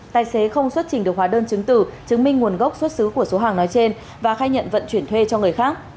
tài xế không xuất trình được hóa đơn chứng tử chứng minh nguồn gốc xuất xứ của số hàng nói trên và khai nhận vận chuyển thuê cho người khác